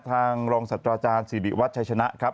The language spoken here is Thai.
ทางรองศัตว์อาจารย์สิริวัตรชัยชนะครับ